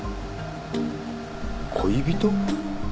恋人？